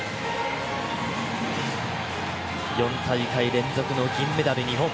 ４大会連続の銀メダル、日本。